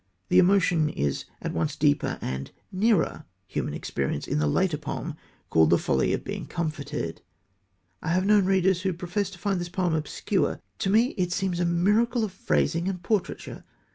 The emotion is at once deeper and nearer human experience in the later poem called The Folly of Being Comforted. I have known readers who professed to find this poem obscure. To me it seems a miracle of phrasing and portraiture.